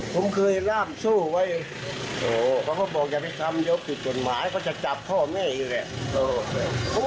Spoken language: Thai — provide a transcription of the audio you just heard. ผมเคยล่ามโซ่ไว้เขาก็บอกอย่าไปทำเดี๋ยวผิดกฎหมายเขาจะจับพ่อแม่อยู่แหละ